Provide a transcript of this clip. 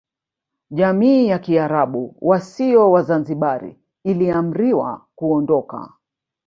Jamii ya Kiarabu wasio Wazanzibari iliamriwa kuondoka